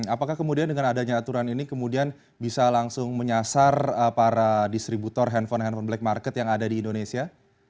apakah kemudian dengan adanya aturan ini kemudian bisa langsung menyasar para distributor handphone handphone black market yang ada di indonesia